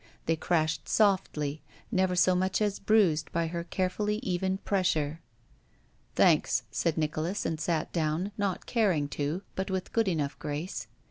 Th^ crashed softly, never so much as bruised by her carefully even jwessure. "Thanks," said Nicholas, and sat down, not caring to, but with good enough grace.